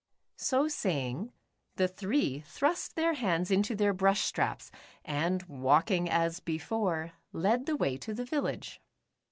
So saying, the three thrust their hands into their brush straps, and walking as before, led the way to the village.